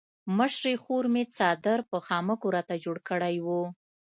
مشرې خور مې څادر په خامکو راته جوړ کړی وو.